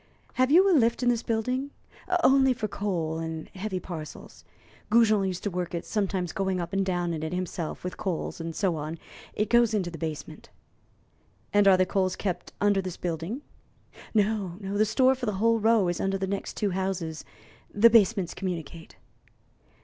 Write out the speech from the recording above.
"Have you a lift in this building?" "Only for coals and heavy parcels. Goujon used to work it, sometimes going up and down in it himself with coals, and so on; it goes into the basement." "And are the coals kept under this building?" "No. The store for the whole row is under the next two houses the basements communicate."